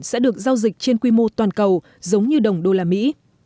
sẽ được giao dịch trên quy mô toàn cầu giống như đồng đô la mỹ